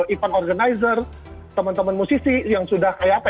event organizer teman teman musisi yang sudah kayak apa